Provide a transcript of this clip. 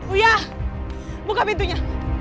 uya buka pintunya